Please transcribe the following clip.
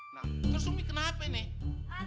nah terus lo kenapa miss